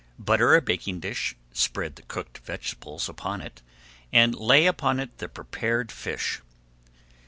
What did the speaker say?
Butter a baking dish, spread the cooked vegetables upon it, and lay upon it the prepared fish.